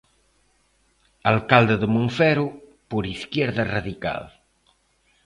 Alcalde de Monfero por Izquierda Radical.